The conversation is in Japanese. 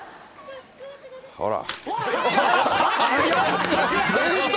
ほら。